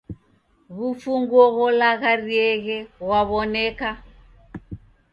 W'ufunguo gholagharieghe ghwaw'oneka